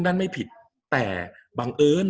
กับการสตรีมเมอร์หรือการทำอะไรอย่างเงี้ย